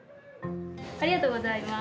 ありがとうございます。